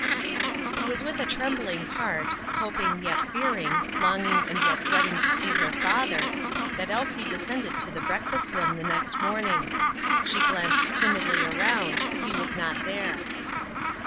It was with a trembling heart, hoping yet fearing, longing and yet dreading to see her father, that Elsie descended to the breakfast room the next morning. She glanced timidly around, but he was not there.